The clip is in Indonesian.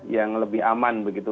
yang lebih aman begitu